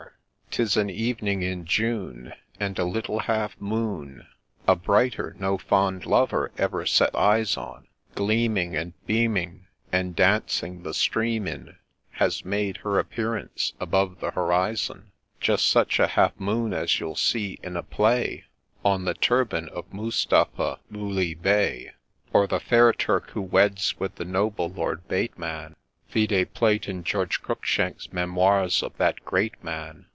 'Tis an evening in June, And a little half moon, A brighter no fond lover ever set eyes on Gleaming and beaming, And dancing the stream in, Has made her appearance above the horizon ; Just such a half moon as you see, in a play, On the turban of Mustapha Muley Bey, Or the fair Turk who weds with the ' Noble Lord Bateman ;'— Vide plate in George Cruikshank's memoirs of that great man.